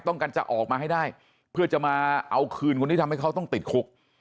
ต้องการจะออกมาให้ได้เพื่อจะมาเอาคืนคนที่ทำให้เขาต้องติดคุก